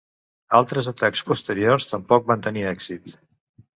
Altres atacs posteriors tampoc van tenir èxit.